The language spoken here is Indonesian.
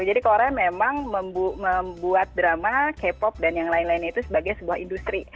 jadi korea memang membuat drama k pop dan yang lain lainnya itu sebagai sebuah industri